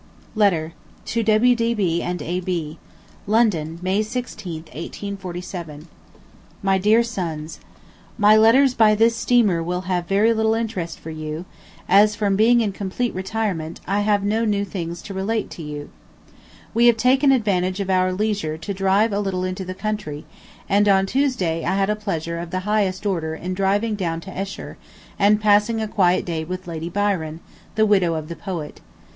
To W. D. B. and A. B. LONDON, May 16, 1847. MY DEAR SONS: My letters by this steamer will have very little interest for you, as, from being in complete retirement, I have no new things to related to you. ... We have taken advantage of our leisure to drive a little into the country, and on Tuesday I had a pleasure of the highest order in driving down to Esher and passing a quiet day with Lady Byron, the widow of the poet.